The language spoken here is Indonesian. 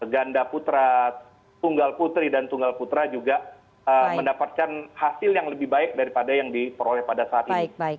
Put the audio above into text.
ganda putra tunggal putri dan tunggal putra juga mendapatkan hasil yang lebih baik daripada yang diperoleh pada saat ini